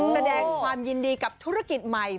แสดงความยินดีกับธุรกิจใหม่